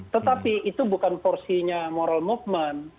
tetapi itu bukan porsinya moral movement